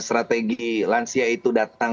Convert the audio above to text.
strategi lansia itu datang